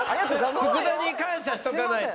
福田に感謝しとかないと。